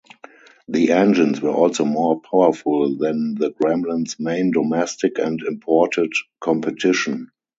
The engines were also more powerful than the Gremlin's main domestic and imported competition.